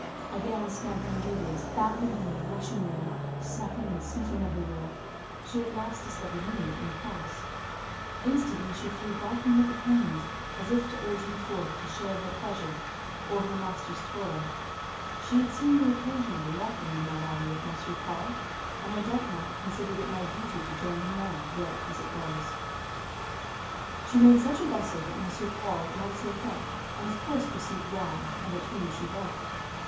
Again scampering devious, bounding here, rushing there, snuffing and sniffing everywhere; she at last discovered me in classe. Instantly she flew barking at the panes, as if to urge me forth to share her pleasure or her master's toil; she had seen me occasionally walking in that alley with M. Paul; and I doubt not, considered it my duty to join him now, wet as it was. She made such a bustle that M. Paul at last looked up, and of course perceived why, and at whom she barked.